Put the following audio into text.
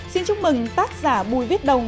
xin chúc mừng tác giả bùi viết đồng